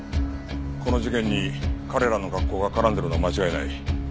この事件に彼らの学校が絡んでいるのは間違いない。